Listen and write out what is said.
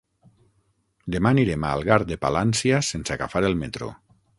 Demà anirem a Algar de Palància sense agafar el metro.